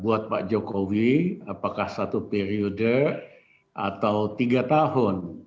buat pak jokowi apakah satu periode atau tiga tahun